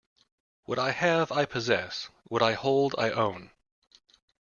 What I have, I possess; what I hold, I own.